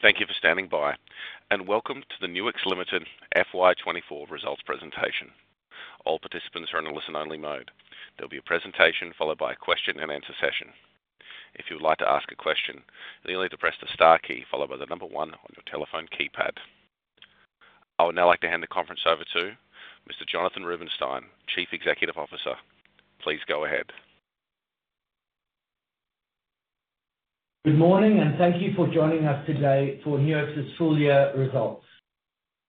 Thank you for standing by, and welcome to the Nuix FY24 results presentation. All participants are in a listen-only mode. There'll be a presentation followed by a question and answer session. If you would like to ask a question, you'll need to press the star key followed by the number one on your telephone keypad. I would now like to hand the conference over to Mr. Jonathan Rubinsztein, Chief Executive Officer. Please go ahead. Good morning, and thank you for joining us today for Nuix's full year results.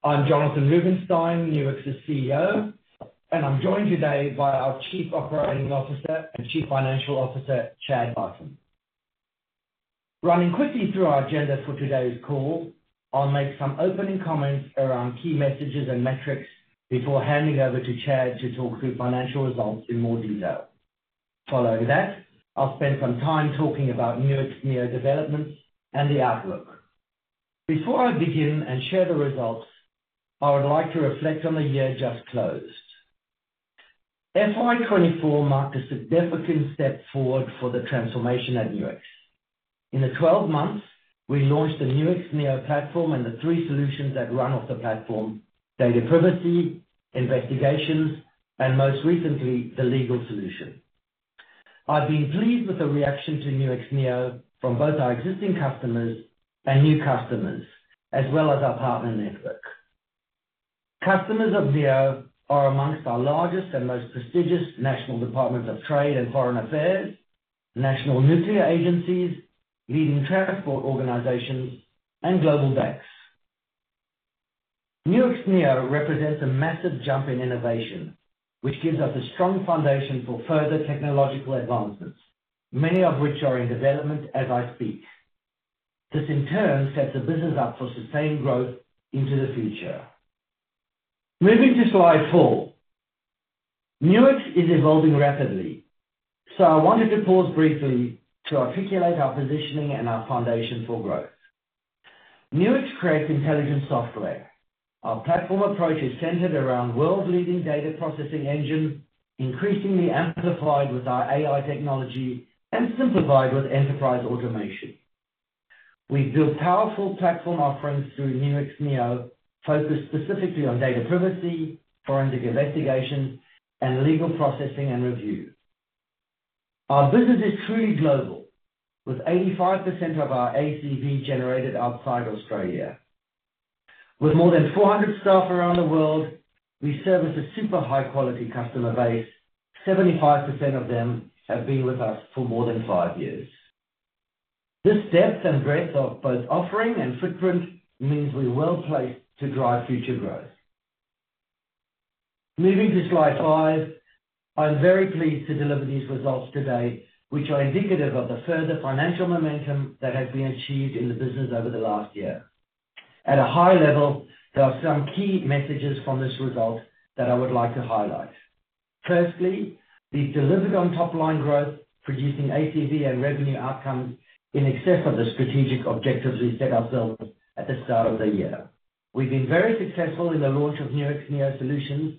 I'm Jonathan Rubinsztein, Nuix's CEO, and I'm joined today by our Chief Operating Officer and Chief Financial Officer, Chad Barton. Running quickly through our agenda for today's call, I'll make some opening comments around key messages and metrics before handing over to Chad to talk through financial results in more detail. Following that, I'll spend some time talking about Nuix Neo developments and the outlook. Before I begin and share the results, I would like to reflect on the year just FY24 marked a significant step forward for the transformation at Nuix. In the 12 months, we launched the Nuix Neo platform and the three solutions that run off the platform: Data Privacy, Investigations, and most recently, Legal solution. I've been pleased with the reaction to Nuix Neo from both our existing customers and new customers, as well as our partner network. Customers of Neo are among our largest and most prestigious national departments of trade and foreign affairs, national nuclear agencies, leading transport organizations, and global banks. Nuix Neo represents a massive jump in innovation, which gives us a strong foundation for further technological advancements, many of which are in development as I speak. This, in turn, sets the business up for sustained growth into the future. Moving to Slide 4. Nuix is evolving rapidly, so I wanted to pause briefly to articulate our positioning and our foundation for growth. Nuix creates intelligent software. Our platform approach is centered around world-leading Data processing engine, increasingly amplified with our AI technology and simplified with enterprise automation. We've built powerful platform offerings through Nuix Neo, focused specifically on Data Privacy, Forensic Investigation, and Legal processing and review. Our business is truly global, with 85% of our ACV generated outside Australia. With more than 400 staff around the world, we service a super high-quality customer base. 75% of them have been with us for more than five years. This depth and breadth of both offering and footprint means we're well-placed to drive future growth. Moving to Slide 5. I'm very pleased to deliver these results today, which are indicative of the further financial momentum that has been achieved in the business over the last year. At a high level, there are some key messages from this result that I would like to highlight. Firstly, we've delivered on top line growth, producing ACV and revenue outcomes in excess of the strategic objectives we set ourselves at the start of the year. We've been very successful in the launch of Nuix Neo Solutions,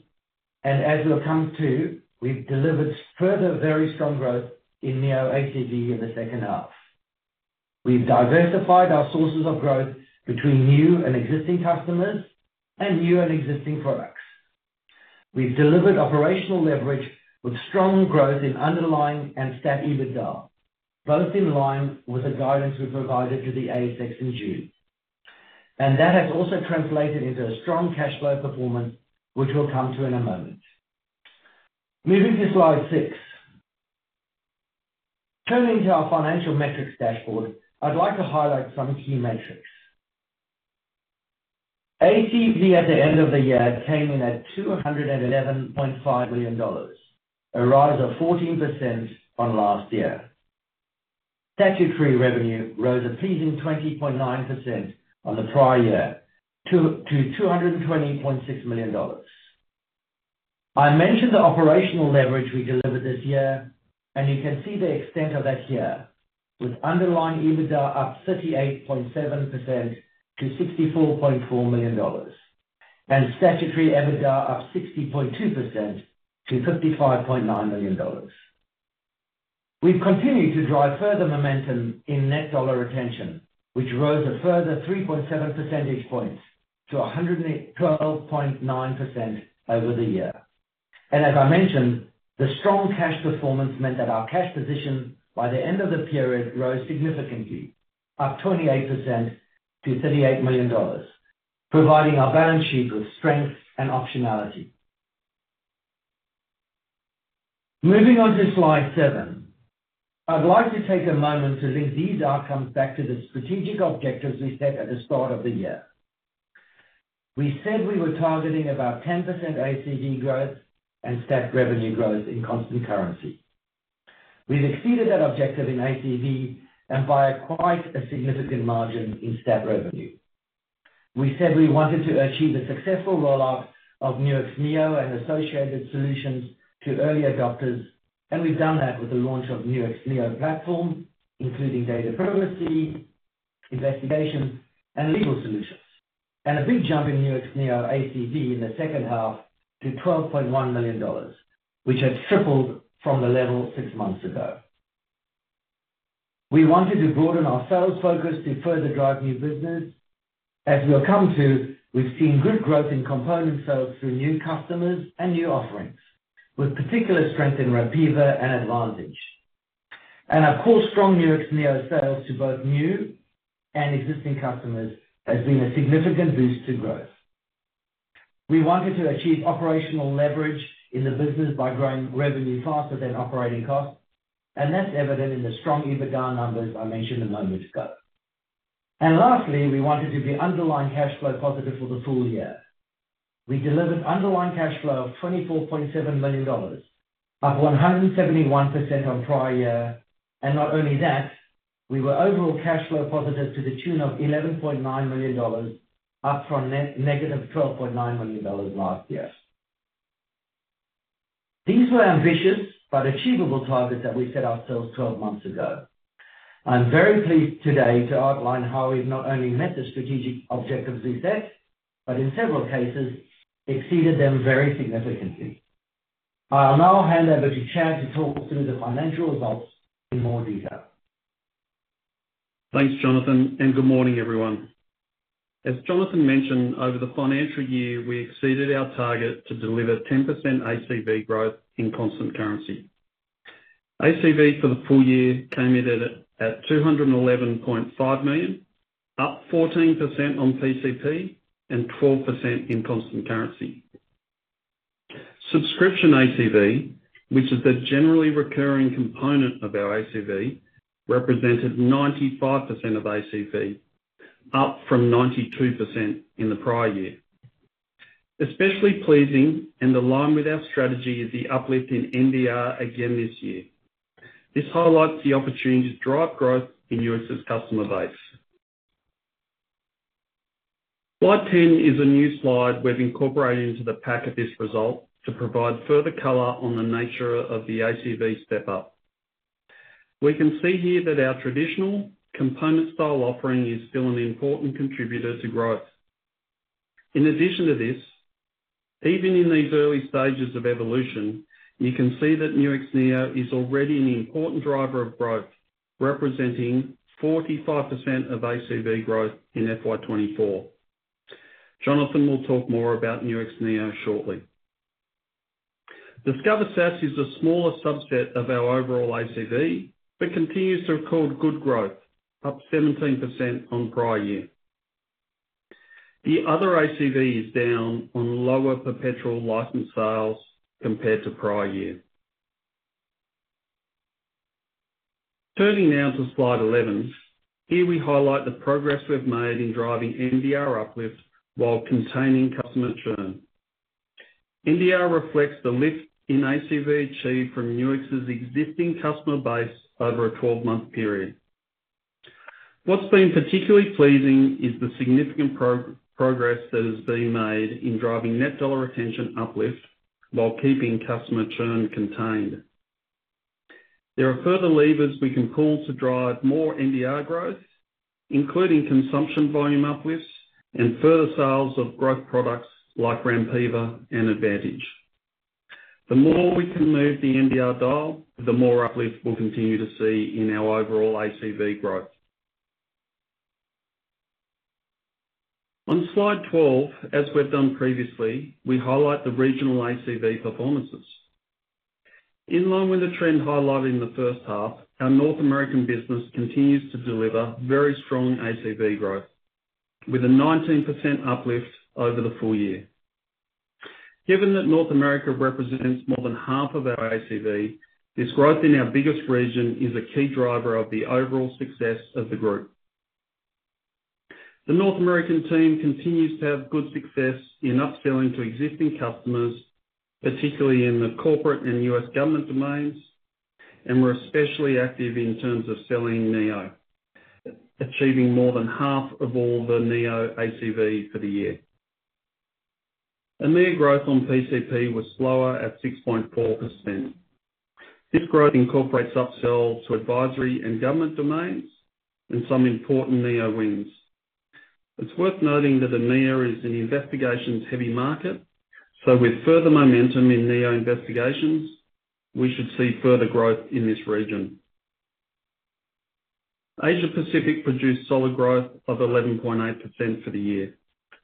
and as we've come to, we've delivered further very strong growth in Neo ACV in the second half. We've diversified our sources of growth between new and existing customers and new and existing products. We've delivered operational leverage with strong growth in underlying and stat EBITDA, both in line with the guidance we provided to the ASX in June. And that has also translated into a strong cash flow performance, which we'll come to in a moment. Moving to Slide 6. Turning to our financial metrics dashboard, I'd like to highlight some key metrics. ACV, at the end of the year, came in at 211.5 million dollars, a rise of 14% on last year. Statutory revenue rose a pleasing 20.9% on the prior year to 220.6 million dollars. I mentioned the operational leverage we delivered this year, and you can see the extent of that here, with underlying EBITDA up 38.7% to AUD 64.4 million and statutory EBITDA up 60.2% to 55.9 million dollars. We've continued to drive further momentum in net dollar retention, which rose a further 3.7 percentage points to 112.9% over the year. As I mentioned, the strong cash performance meant that our cash position by the end of the period rose significantly, up 28% to 38 million dollars, providing our balance sheet with strength and optionality. Moving on to Slide 7. I'd like to take a moment to link these outcomes back to the strategic objectives we set at the start of the year. We said we were targeting about 10% ACV growth and stat revenue growth in constant currency. We've exceeded that objective in ACV and by quite a significant margin in stat revenue. We said we wanted to achieve the successful rollout of Nuix Neo and associated solutions to early adopters, and we've done that with the launch of Nuix Neo platform, including Data Privacy, Investigation, and Legal solutions. And a big jump in Nuix Neo ACV in the second half to 12.1 million dollars, which had tripled from the level six months ago. We wanted to broaden our sales focus to further drive new business. As we have come to, we've seen good growth in component sales through new customers and new offerings, with particular strength in Rampiva and Advantage. And of course, strong Nuix Neo sales to both new and existing customers has been a significant boost to growth. We wanted to achieve operational leverage in the business by growing revenue faster than operating costs, and that's evident in the strong EBITDA numbers I mentioned a moment ago. And lastly, we wanted to be underlying cash flow positive for the full year. We delivered underlying cash flow of 24.7 million dollars, up 171% on prior year, and not only that, we were overall cash flow positive to the tune of 11.9 million dollars, up from negative 12.9 million dollars last year. These were ambitious but achievable targets that we set ourselves twelve months ago. I'm very pleased today to outline how we've not only met the strategic objectives we set, but in several cases, exceeded them very significantly. I'll now hand over to Chad to talk through the financial results in more detail. Thanks, Jonathan, and good morning, everyone. As Jonathan mentioned, over the financial year, we exceeded our target to deliver 10% ACV growth in constant currency. ACV for the full year came in at 211.5 million, up 14% on PCP and 12% in constant currency. Subscription ACV, which is the generally recurring component of our ACV, represented 95% of ACV, up from 92% in the prior year. Especially pleasing and aligned with our strategy is the uplift in NDR again this year. This highlights the opportunity to drive growth in Nuix's customer base. Slide 10 is a new Slide we've incorporated into the pack of this result to provide further color on the nature of the ACV step up. We can see here that our traditional component style offering is still an important contributor to growth. In addition to this, even in these early stages of evolution, you can see that Nuix Neo is already an important driver of growth, representing 45% of ACV growth in FY24. Jonathan will talk more about Nuix Neo shortly. Discover SaaS is a smaller subset of our overall ACV, but continues to record good growth, up 17% on prior year. The other ACV is down on lower perpetual license sales compared to prior year. Turning now to Slide 11. Here we highlight the progress we've made in driving NDR uplifts while containing customer churn. NDR reflects the lift in ACV achieved from Nuix's existing customer base over a 12-month period. What's been particularly pleasing is the significant progress that has been made in driving net dollar retention uplift while keeping customer churn contained. There are further levers we can pull to drive more NDR growth, including consumption volume uplifts and further sales of growth products like Rampiva and Advantage. The more we can move the NDR dial, the more uplift we'll continue to see in our overall ACV growth. On Slide 12, as we've done previously, we highlight the regional ACV performances. In line with the trend highlighted in the first half, our North American business continues to deliver very strong ACV growth, with a 19% uplift over the full year. Given that North America represents more than half of our ACV, this growth in our biggest region is a key driver of the overall success of the group. The North American team continues to have good success in upselling to existing customers, particularly in the corporate and US government domains, and we're especially active in terms of selling Neo, achieving more than half of all the Neo ACV for the year. EMEA growth on PCP was slower at 6.4%. This growth incorporates upsells to advisory and government domains and some important Neo wins. It's worth noting that the EMEA is an investigations-heavy market, so with further momentum in Neo Investigations, we should see further growth in this region. Asia Pacific produced solid growth of 11.8% for the year,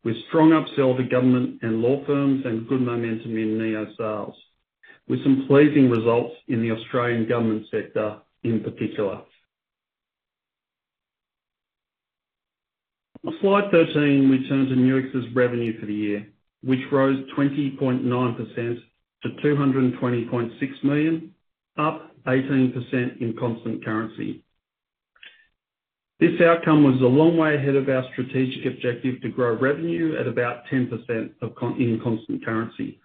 with strong upsell to government and law firms and good momentum in Neo sales, with some pleasing results in the Australian government sector in particular. On Slide 13, we turn to Nuix's revenue for the year, which rose 20.9% to 220.6 million, up 18% in constant currency. This outcome was a long way ahead of our strategic objective to grow revenue at about 10% in constant currency.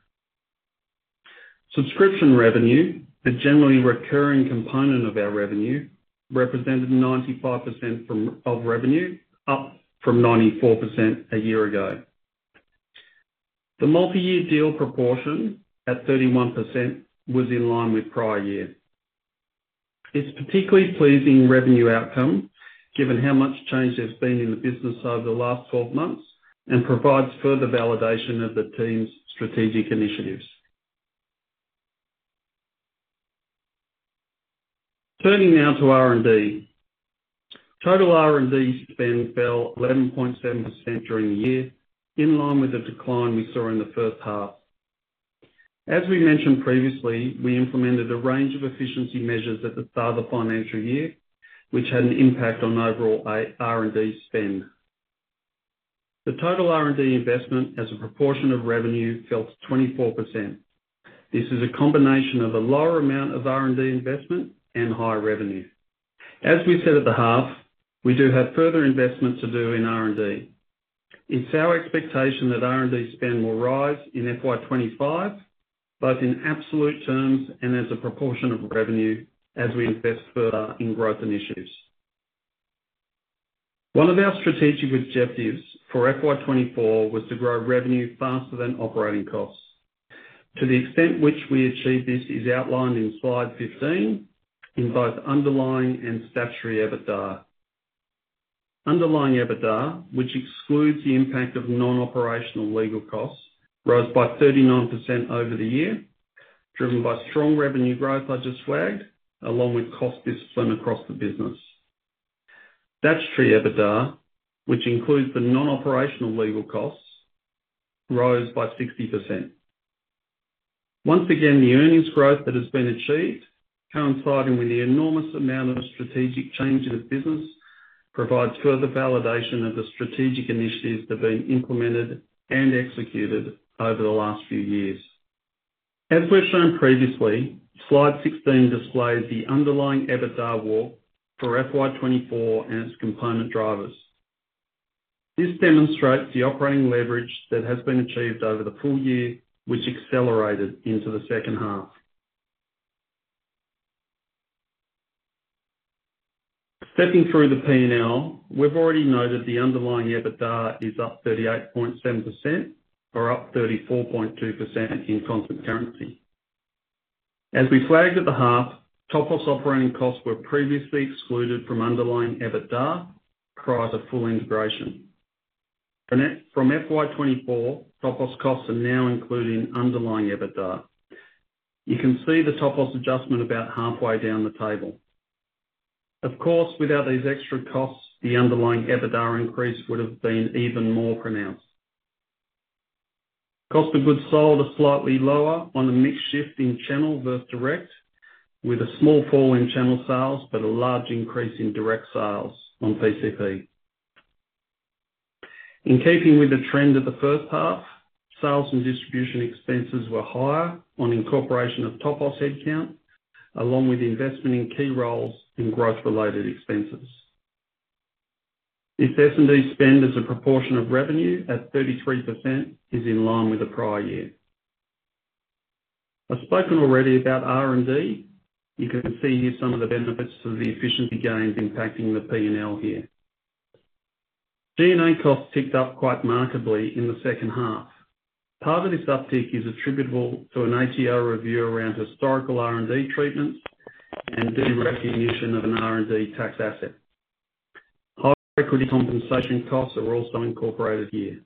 Subscription revenue, the generally recurring component of our revenue, represented 95% of revenue, up from 94% a year ago. The multi-year deal proportion, at 31%, was in line with prior year. It's particularly pleasing revenue outcome, given how much change there's been in the business over the last twelve months, and provides further validation of the team's strategic initiatives. Turning now to R&D. Total R&D spend fell 11.7% during the year, in line with the decline we saw in the first half. As we mentioned previously, we implemented a range of efficiency measures at the start of the financial year, which had an impact on overall R&D spend. The total R&D investment, as a proportion of revenue, fell to 24%. This is a combination of a lower amount of R&D investment and higher revenue. As we said at the half, we do have further investment to do in R&D. It's our expectation that R&D spend will rise in FY25, both in absolute terms and as a proportion of revenue, as we invest further in growth initiatives. One of our strategic objectives for FY24 was to grow revenue faster than operating costs. To the extent which we achieved this is outlined in Slide 15, in both underlying and statutory EBITDA. Underlying EBITDA, which excludes the impact of non-operational legal costs, rose by 39% over the year, driven by strong revenue growth I just flagged, along with cost discipline across the business. Statutory EBITDA, which includes the non-operational legal costs, rose by 60%. Once again, the earnings growth that has been achieved, coinciding with the enormous amount of strategic change in the business, provides further validation that the strategic initiatives have been implemented and executed over the last few years. As we've shown previously, Slide 16 displays the underlying EBITDA walk for FY24 and its component drivers. This demonstrates the operating leverage that has been achieved over the full year, which accelerated into the second half. Stepping through the P&L, we've already noted the underlying EBITDA is up 38.7%, or up 34.2% in constant currency. As we flagged at the half, Topos operating costs were previously excluded from underlying EBITDA prior to full integration. FY24, Topos costs are now included in underlying EBITDA. You can see the Topos adjustment about halfway down the table. Of course, without these extra costs, the underlying EBITDA increase would have been even more pronounced. Cost of goods sold are slightly lower on a mix shift in channel versus direct, with a small fall in channel sales, but a large increase in direct sales on PCP. In keeping with the trend of the first half, sales and distribution expenses were higher on incorporation of Topos headcount, along with investment in key roles and growth-related expenses. This S&D spend as a proportion of revenue, at 33%, is in line with the prior year. I've spoken already about R&D. You can see here some of the benefits of the efficiency gains impacting the P&L here. G&A costs ticked up quite markedly in the second half. Part of this uptick is attributable to an ATO review around historical R&D treatments and derecognition of an R&D tax asset. High equity compensation costs are also incorporated here.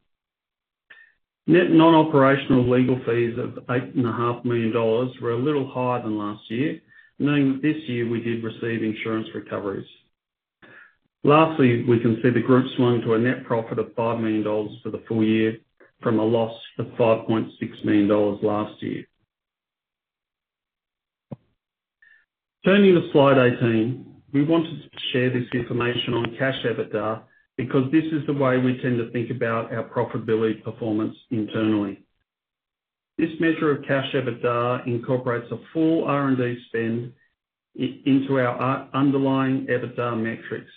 Net non-operational legal fees of 8.5 million dollars were a little higher than last year, knowing that this year we did receive insurance recoveries. Lastly, we can see the group swung to a net profit of 5 million dollars for the full year from a loss of 5.6 million dollars last year. Turning to Slide 18, we wanted to share this information on Cash EBITDA, because this is the way we tend to think about our profitability performance internally. This measure of cash EBITDA incorporates a full R&D spend into our underlying EBITDA metrics,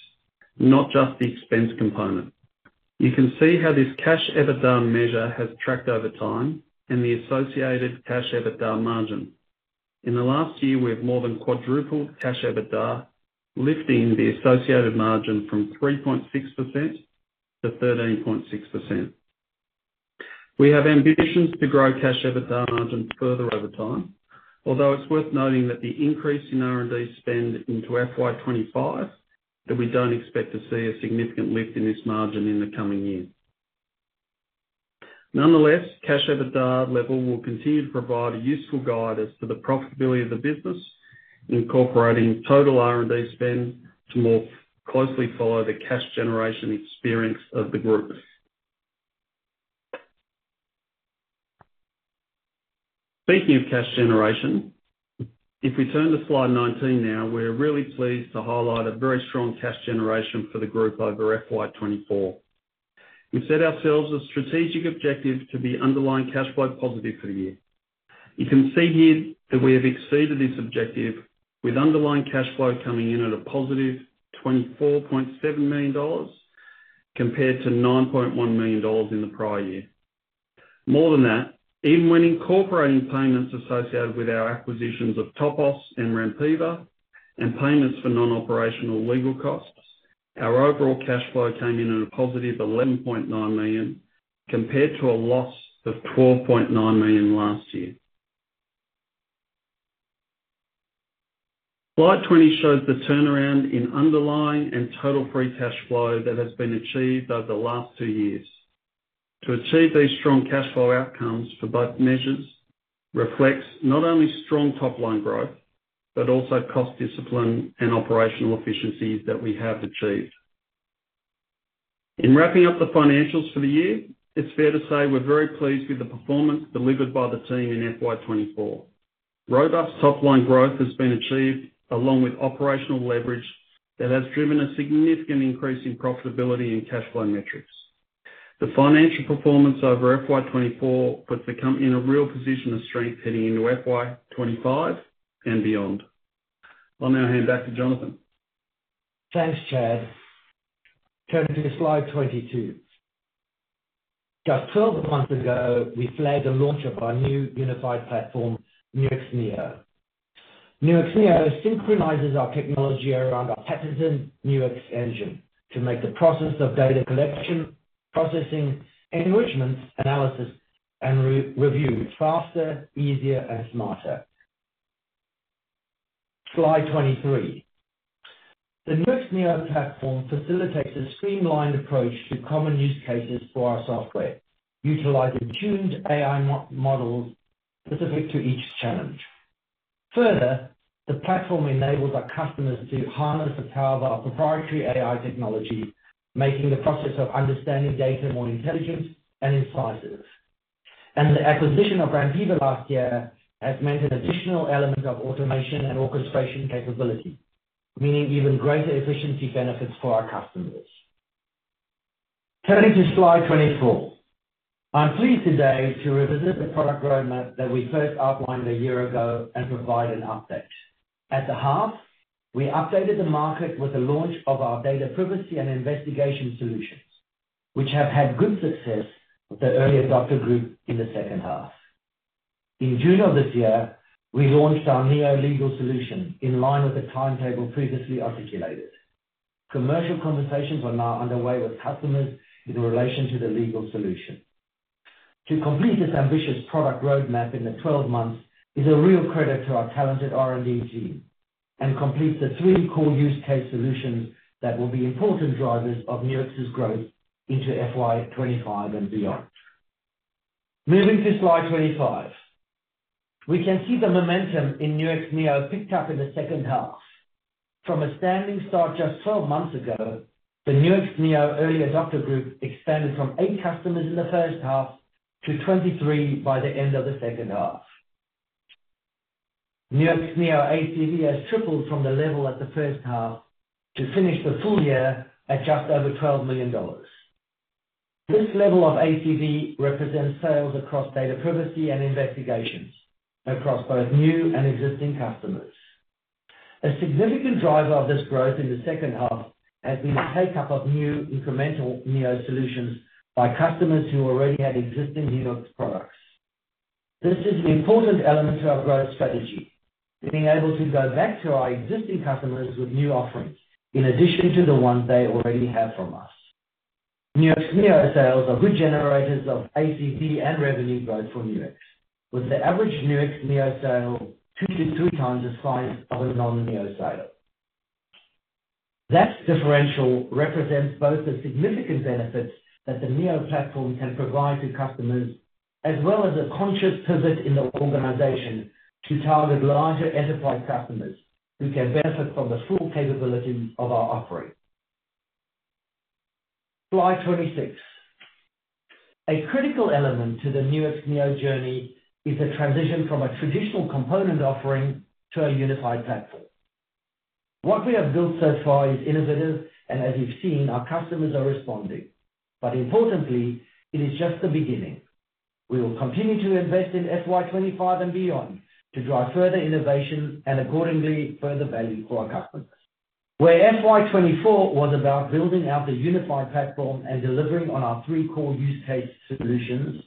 not just the expense component. You can see how this cash EBITDA measure has tracked over time and the associated cash EBITDA margin. In the last year, we have more than quadrupled cash EBITDA, lifting the associated margin from 3.6% to 13.6%. We have ambitions to grow cash EBITDA margin further over time, although it's worth noting that the increase in R&D spend into FY25, that we don't expect to see a significant lift in this margin in the coming years. Nonetheless, cash EBITDA level will continue to provide a useful guide as to the profitability of the business, incorporating total R&D spend to more closely follow the cash generation experience of the group. Speaking of cash generation, if we turn to Slide 19 now, we're really pleased to highlight a very strong cash generation for the group over FY 2024. We've set ourselves a strategic objective to be underlying cash flow positive for the year. You can see here that we have exceeded this objective, with underlying cash flow coming in at a positive 24.7 million dollars, compared to 9.1 million dollars in the prior year. More than that, even when incorporating payments associated with our acquisitions of Topos and Rampiva, and payments for non-operational legal costs. Our overall cash flow came in at a positive 11.9 million, compared to a loss of 12.9 million last year. Slide 20 shows the turnaround in underlying and total free cash flow that has been achieved over the last two years. To achieve these strong cash flow outcomes for both measures, reflects not only strong top-line growth, but also cost discipline and operational efficiencies that we have achieved. In wrapping up the financials for the year, it's fair to say we're very pleased with the performance delivered by the team in FY24. Robust top-line growth has been achieved, along with operational leverage that has driven a significant increase in profitability and cash flow metrics. The financial performance over FY24 puts the company in a real position of strength heading into FY25 and beyond. I'll now hand back to Jonathan. Thanks, Chad. Turning to Slide 22. Just 12 months ago, we flagged the launch of our new unified platform, Nuix Neo. Nuix Neo synchronizes our technology around our patented Nuix Engine to make the process of Data collection, processing, enrichment, analysis, and review faster, easier, and smarter. Slide 23. The Nuix Neo platform facilitates a streamlined approach to common use cases for our software, utilizing tuned AI models specific to each challenge. Further, the platform enables our customers to harness the power of our proprietary AI technology, making the process of understanding Data more intelligent and insights, and the acquisition of Rampiva last year has meant an additional element of automation and orchestration capability, meaning even greater efficiency benefits for our customers. Turning to Slide 24. I'm pleased today to revisit the product roadmap that we first outlined a year ago and provide an update. At the half, we updated the market with the launch of our Data Privacy and Investigation solutions, which have had good success with the early adopter group in the second half. In June of this year, we launched our Neo Legal solution in line with the timetable previously articulated. Commercial conversations are now underway with customers in relation to the Legal solution. To complete this ambitious product roadmap in the 12 months, is a real credit to our talented R&D team, and completes the three core use case solutions that will be important drivers of Nuix's growth into FY25 and beyond. Moving to Slide 25. We can see the momentum in Nuix Neo picked up in the second half. From a standing start just 12 months ago, the Nuix Neo early adopter group expanded from eight customers in the first half to 23 by the end of the second half. Nuix Neo ACV has tripled from the level at the first half to finish the full year at just over 12 million dollars. This level of ACV represents sales across Data Privacy and Investigations across both new and existing customers. A significant driver of this growth in the second half has been the take-up of new incremental Neo solutions by customers who already had existing Nuix products. This is an important element to our growth strategy, being able to go back to our existing customers with new offerings, in addition to the ones they already have from us. Nuix Neo sales are good generators of ACV and revenue growth for Nuix, with the average Nuix Neo sale two to three times the size of a non-Neo sale. That differential represents both the significant benefits that the Neo platform can provide to customers, as well as a conscious pivot in the organization to target larger enterprise customers who can benefit from the full capabilities of our offering. Slide 26. A critical element to the Nuix Neo journey is the transition from a traditional component offering to a unified platform. What we have built so far is innovative, and as you've seen, our customers are responding, but importantly, it is just the beginning. We will continue to invest in FY25 and beyond to drive further innovation and accordingly, further value for our customers. Where FY24 was about building out the unified platform and delivering on our three core use case solutions,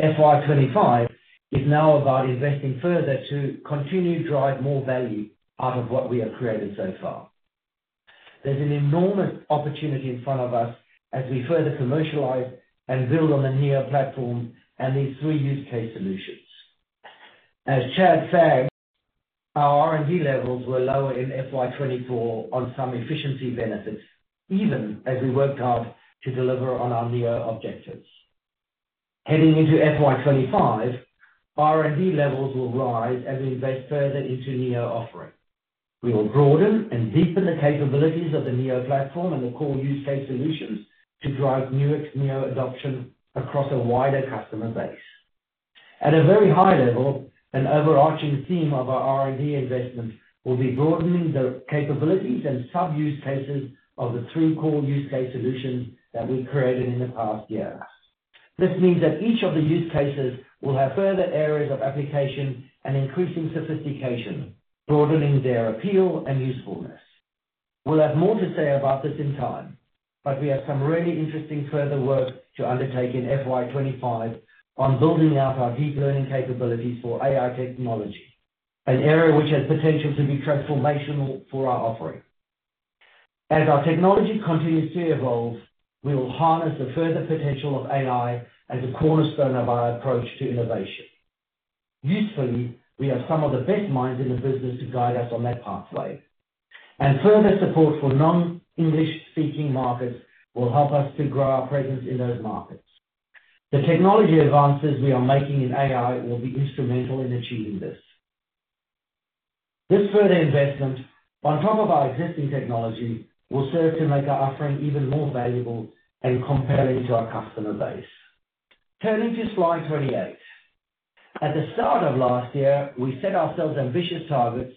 FY25 is now about investing further to continue to drive more value out of what we have created so far. There's an enormous opportunity in front of us as we further commercialize and build on the Neo platform and these three use case solutions. As Chad said, our R&D levels were lower in FY24 on some efficiency benefits, even as we worked hard to deliver on our Neo objectives. Heading into FY25, our R&D levels will rise as we invest further into Neo offering. We will broaden and deepen the capabilities of the Neo platform and the core use case solutions to drive Nuix Neo adoption across a wider customer base. At a very high level, an overarching theme of our R&D investments will be broadening the capabilities and sub-use cases of the three core use case solutions that we've created in the past year. This means that each of the use cases will have further areas of application and increasing sophistication, broadening their appeal and usefulness. We'll have more to say about this in time, but we have some really interesting further work to undertake FY25 on building out our deep learning capabilities for AI technology... an area which has potential to be transformational for our offering. As our technology continues to evolve, we will harness the further potential of AI as a cornerstone of our approach to innovation. Usefully, we have some of the best minds in the business to guide us on that pathway, and further support for non-English speaking markets will help us to grow our presence in those markets. The technology advances we are making in AI will be instrumental in achieving this. This further investment, on top of our existing technology, will serve to make our offering even more valuable and compelling to our customer base. Turning to Slide 28. At the start of last year, we set ourselves ambitious targets,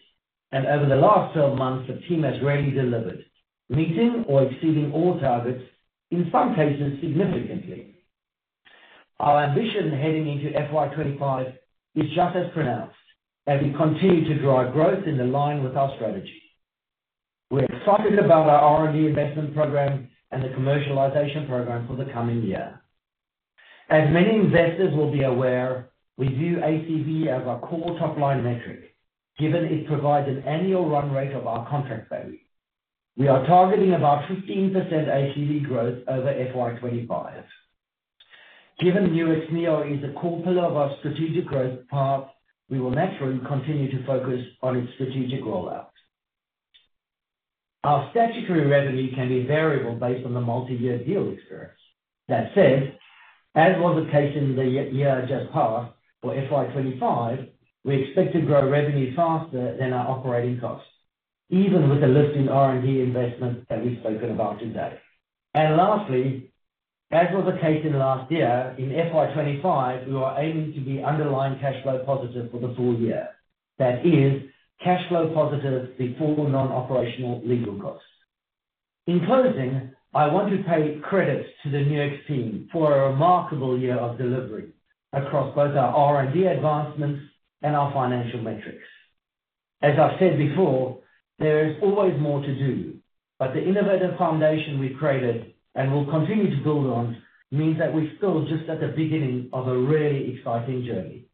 and over the last 12 months, the team has really delivered, meeting or exceeding all targets, in some cases, significantly. Our ambition heading into FY25 is just as pronounced, as we continue to drive growth in line with our strategy. We're excited about our R&D investment program and the commercialization program for the coming year. As many investors will be aware, we view ACV as our core top-line metric, given it provides an annual run rate of our contract value. We are targeting about 15% ACV growth over FY25. Given Nuix Neo is a core pillar of our strategic growth path, we will naturally continue to focus on its strategic rollout. Our statutory revenue can be variable based on the multi-year deal experience. That said, as was the case in the year just passed, for FY25, we expect to grow revenue faster than our operating costs, even with the lift in R&D investment that we've spoken about today. And lastly, as was the case in the last year, in FY25, we are aiming to be underlying cash flow positive for the full year. That is, cash flow positive before non-operational legal costs. In closing, I want to pay tribute to the Nuix team for a remarkable year of delivery across both our R&D advancements and our financial metrics. As I've said before, there is always more to do, but the innovative foundation we've created and will continue to build on means that we're still just at the beginning of a really exciting journey.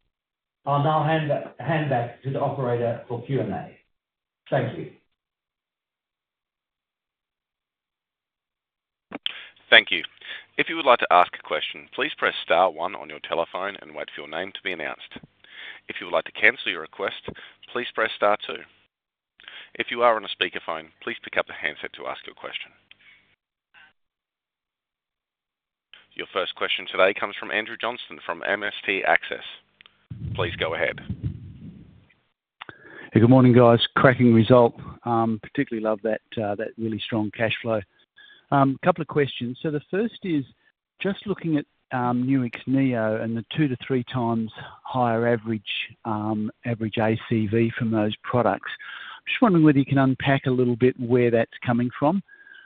I'll now hand back to the operator for Q&A. Thank you. Thank you. If you would like to ask a question, please press star one on your telephone and wait for your name to be announced. If you would like to cancel your request, please press star two. If you are on a speakerphone, please pick up the handset to ask your question. Your first question today comes from Andrew Johnston, from MST Access. Please go ahead. Good morning, guys. Cracking result, particularly love that, that really strong cash flow. Couple of questions. So the first is, just looking at Nuix Neo and the two to three times higher average ACV from those products, just wondering whether you can unpack a little bit where that's coming from.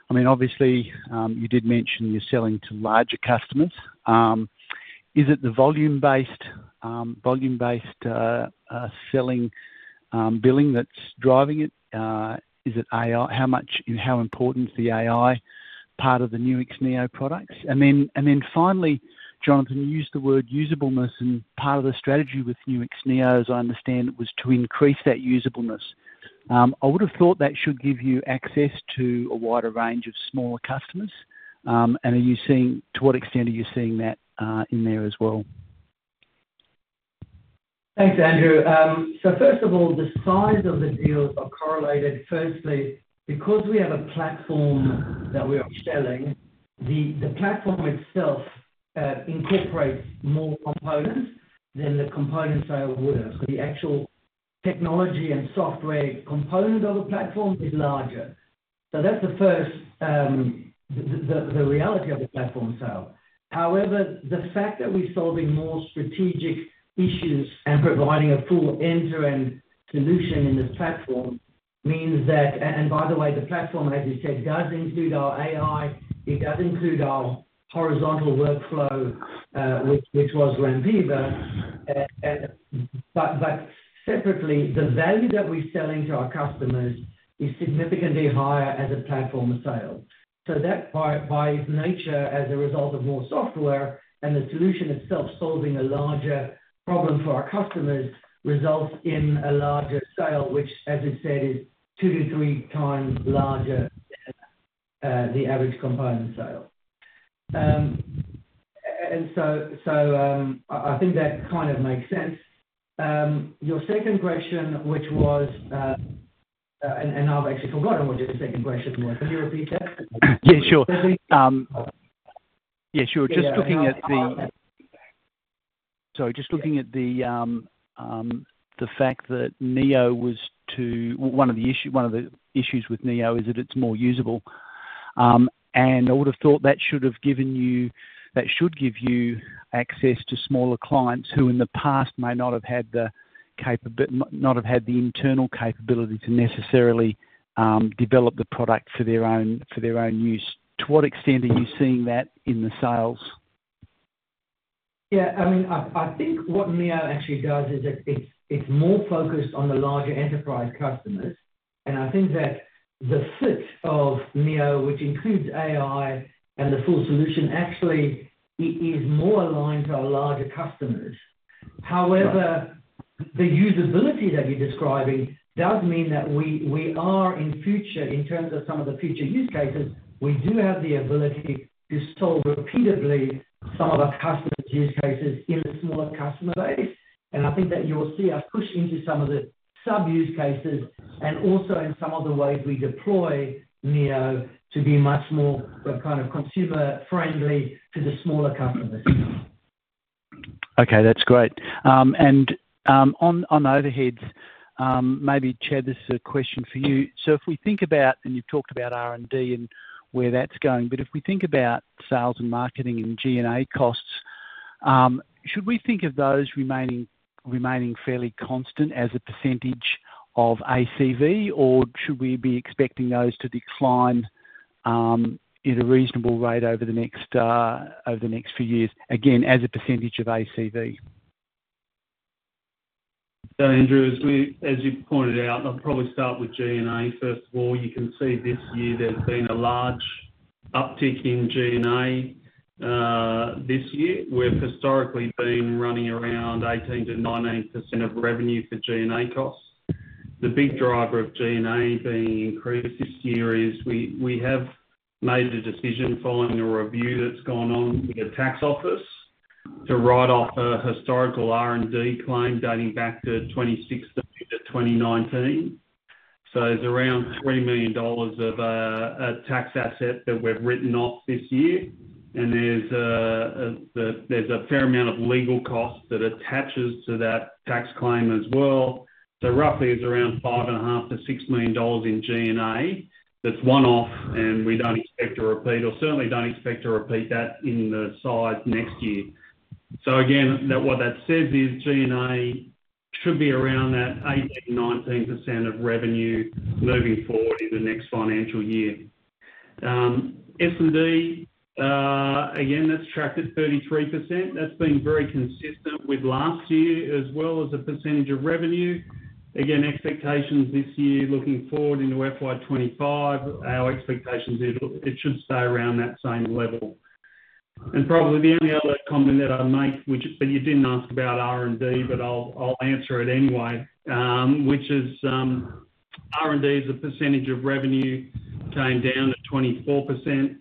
I mean, obviously, you did mention you're selling to larger customers. Is it the volume-based selling, billing that's driving it? Is it AI? How much, and how important is the AI part of the Nuix Neo products? And then finally, Jonathan, you used the word usability, and part of the strategy with Nuix Neo, as I understand, it was to increase that usability. I would have thought that should give you access to a wider range of smaller customers, and to what extent are you seeing that in there as well? Thanks, Andrew. So first of all, the size of the deals are correlated. Firstly, because we have a platform that we are selling, the platform itself incorporates more components than the component sale would have. The actual technology and software component of the platform is larger. So that's the first, the reality of the platform sale. However, the fact that we're solving more strategic issues and providing a full end-to-end solution in this platform means that... and by the way, the platform, as you said, does include our AI, it does include our horizontal workflow, which was Rampiva. But separately, the value that we're selling to our customers is significantly higher as a platform sale. So that, by its nature, as a result of more software and the solution itself, solving a larger problem for our customers, results in a larger sale, which, as I said, is two to three times larger than the average component sale. And so, I think that kind of makes sense. Your second question, which was, and I've actually forgotten what your second question was. Can you repeat that? Yeah, sure. Yeah, sure. Yeah. Just looking at the, sorry, just looking at the fact that one of the issues with Neo is that it's more usable. And I would have thought that should have given you, that should give you access to smaller clients, who in the past may not have had the internal capability to necessarily develop the product for their own, for their own use. To what extent are you seeing that in the sales? Yeah, I mean, I think what Neo actually does is it's more focused on the larger enterprise customers. And I think that the fit of Neo, which includes AI and the full solution, actually, it is more aligned to our larger customers. However, the usability that you're describing does mean that we are in future, in terms of some of the future use cases, we do have the ability to solve repeatedly some of our customers' use cases in the smaller customer base. And I think that you will see us push into some of the sub-use cases and also in some of the ways we deploy Neo to be much more, kind of, consumer-friendly to the smaller customers. Okay, that's great. And on overheads, maybe, Chad, this is a question for you: So if we think about, and you've talked about R&D and where that's going, but if we think about sales and marketing and G&A costs, should we think of those remaining fairly constant as a percentage of ACV, or should we be expecting those to decline at a reasonable rate over the next few years, again, as a percentage of ACV? Andrew, as we, as you pointed out, I'll probably start with G&A first of all. You can see this year there's been a large uptick in G&A this year. We've historically been running around 18%-19% of revenue for G&A costs. The big driver of G&A being increased this year is we have made a decision following a review that's gone on with the tax office to write off a historical R&D claim dating back to 2016 to 2019. So there's around 3 million dollars of a tax asset that we've written off this year, and there's a fair amount of legal costs that attaches to that tax claim as well. So roughly, it's around 5.5 million-6 million dollars in G&A. That's one-off, and we don't expect to repeat, or certainly don't expect to repeat that in the size next year. So again, that-- what that says is G&A should be around that 18-19% of revenue moving forward in the next financial year. S&D, again, that's tracked at 33%. That's been very consistent with last year, as well as a percentage of revenue. Again, expectations this year, looking forward into FY25, our expectations is it should stay around that same level. And probably the only other comment that I'd make, which, but you didn't ask about R&D, but I'll, I'll answer it anyway, which is, R&D as a percentage of revenue came down to 24%.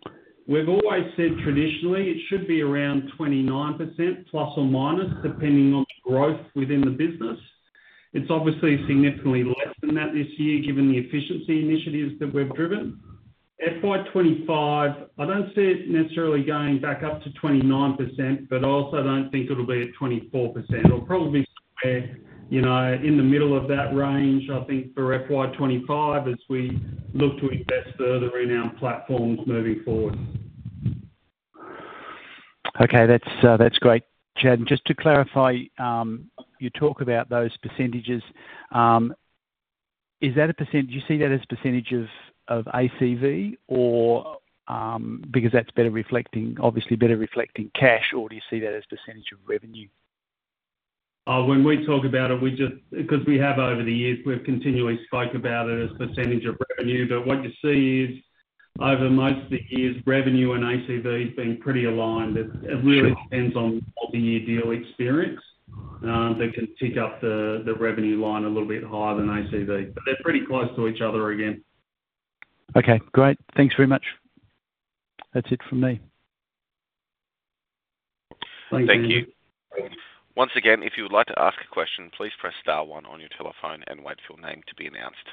We've always said traditionally, it should be around 29%, plus or minus, depending on the growth within the business. It's obviously significantly less than that this year, given the efficiency initiatives that we've FY25, I don't see it necessarily going back up to 29%, but I also don't think it'll be at 24%. It'll probably be somewhere, you know, in the middle of that range, I think, FY25, as we look to invest further in our platforms moving forward. Okay, that's great. Chad, just to clarify, you talk about those percentages, is that a percent? Do you see that as percentage of ACV or, because that's better reflecting, obviously better reflecting cash, or do you see that as percentage of revenue? When we talk about it, we just because we have over the years, we've continually spoke about it as percentage of revenue, but what you see is over most of the years, revenue and ACV has been pretty aligned. Sure. It really depends on what the year deal experience, that can tick up the revenue line a little bit higher than ACV, but they're pretty close to each other again. Okay, great. Thanks very much. That's it from me. Thank you. Thank you. Once again, if you would like to ask a question, please press star one on your telephone and wait for your name to be announced.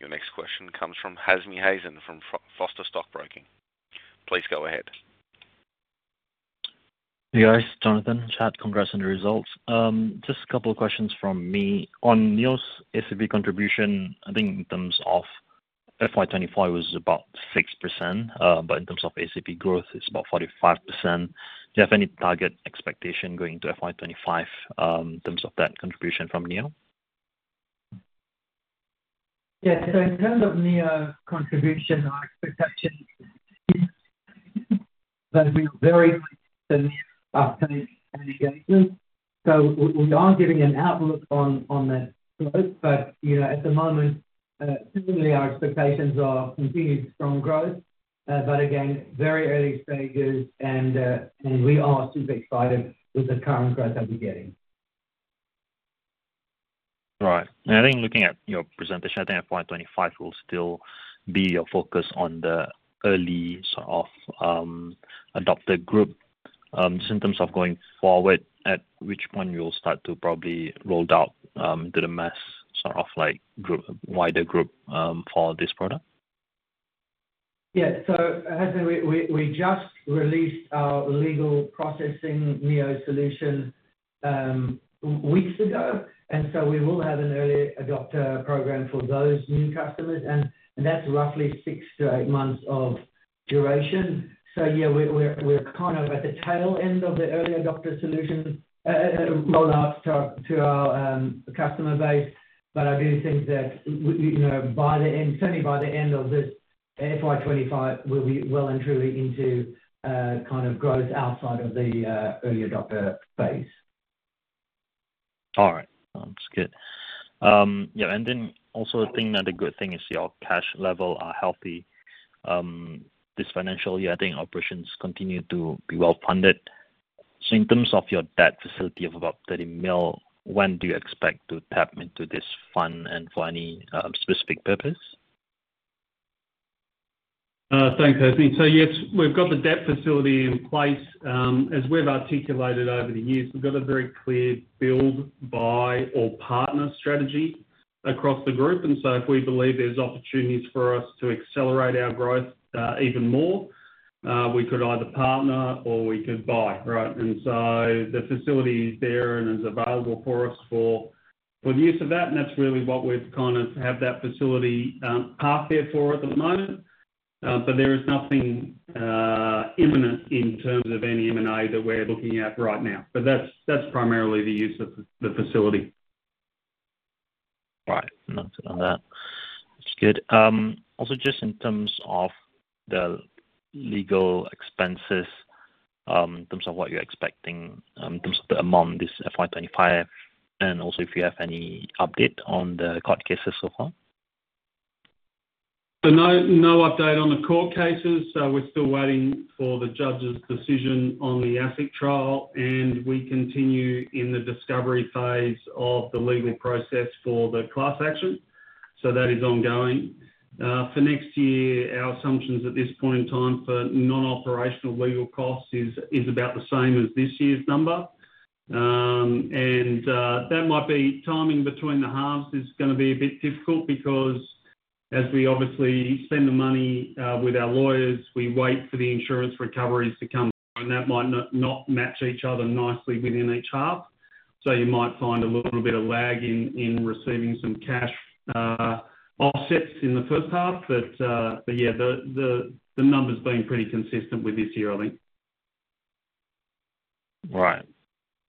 Your next question comes from Anthony Kaleb, from Foster Stockbroking. Please go ahead. Hey, guys. Jonathan, Chad, congrats on the results. Just a couple of questions from me. On Neo's ACV contribution, I think in terms FY25 was about 6%, but in terms of ACV growth, it's about 45%. Do you have any target expectation going FY25, in terms of that contribution from Neo? Yeah, so in terms of Neo contribution, our expectations, so we are giving an outlook on the growth. But you know, at the moment, certainly our expectations are continued strong growth, but again, very early stages, and and we are super excited with the current growth that we're getting. Right. And I think looking at your presentation, I FY25 will still be your focus on the early sort of, adopted group. Just in terms of going forward, at which point you'll start to probably roll out, to the mass, sort of like, group, wider group, for this product? Yeah. So we just released our legal processing Neo solution weeks ago, and so we will have an early adopter program for those new customers, and that's roughly six to eight months of duration. So yeah, we're kind of at the tail end of the early adopter solution rollout to our customer base. But I do think that you know, by the end, certainly by the end of this FY 2025, we'll be well and truly into kind of growth outside of the early adopter phase.... All right. Sounds good. Yeah, and then also I think another good thing is your cash levels are healthy. This financial year, I think operations continue to be well-funded. So in terms of your debt facility of about 30 million, when do you expect to tap into this fund and for any specific purpose? Thanks, Anthony. So yes, we've got the debt facility in place. As we've articulated over the years, we've got a very clear build or buy or partner strategy across the group, and so if we believe there's opportunities for us to accelerate our growth even more, we could either partner or we could buy, right? And so the facility is there and is available for us for the use of that, and that's really what we've kind of have that facility parked there for at the moment. But there is nothing imminent in terms of any M&A that we're looking at right now. But that's primarily the use of the facility. Right. Notes on that. That's good. Also, just in terms of the legal expenses, in terms of what you're expecting, in terms of the amount, FY25, and also if you have any update on the court cases so far? So no, no update on the court cases. We're still waiting for the judge's decision on the ASIC trial, and we continue in the discovery phase of the legal process for the class action, so that is ongoing. For next year, our assumptions at this point in time for non-operational legal costs is about the same as this year's number. And that might be timing between the halves is gonna be a bit difficult because as we obviously spend the money with our lawyers, we wait for the insurance recoveries to come, and that might not match each other nicely within each half. So you might find a little bit of lag in receiving some cash offsets in the first half. But yeah, the number's been pretty consistent with this year, I think. Right.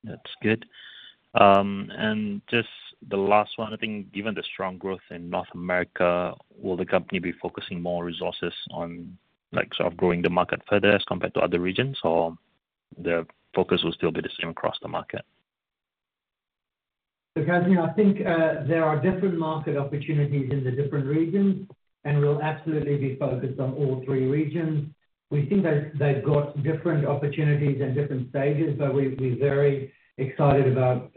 That's good, and just the last one, I think given the strong growth in North America, will the company be focusing more resources on, like, sort of growing the market further as compared to other regions, or the focus will still be the same across the market? Look, Anthony, I think, there are different market opportunities in the different regions, and we'll absolutely be focused on all three regions. We think they've got different opportunities at different stages, so we're very excited about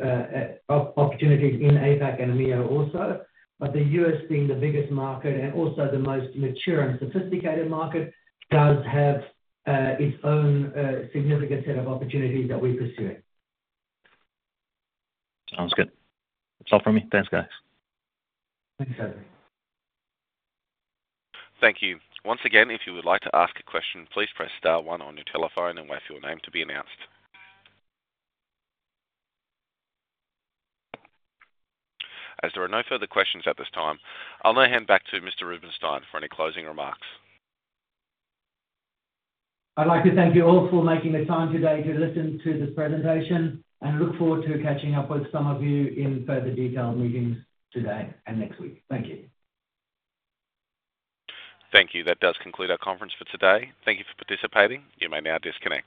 opportunities in APAC and EMEA also. But the US being the biggest market and also the most mature and sophisticated market does have its own significant set of opportunities that we're pursuing. Sounds good. That's all for me. Thanks, guys. Thanks, Anthony. Thank you. Once again, if you would like to ask a question, please press star one on your telephone and wait for your name to be announced. As there are no further questions at this time, I'll now hand back to Mr. Rubinsztein for any closing remarks. I'd like to thank you all for making the time today to listen to this presentation, and look forward to catching up with some of you in further detailed meetings today and next week. Thank you. Thank you. That does conclude our conference for today. Thank you for participating. You may now disconnect.